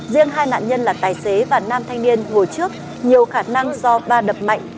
riêng hai nạn nhân là tài xế và nam thanh niên hồi trước nhiều khả năng do va đập mạnh